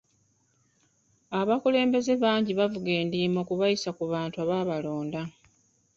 Abakulembeze bangi babavuga ndiima okubayisa ku bantu abaabalonda.